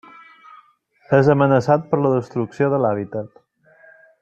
És amenaçat per la destrucció de l'hàbitat.